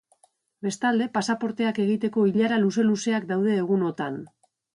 Bestalde, pasaporteak egiteko ilara luze-luzeak daude egunotan.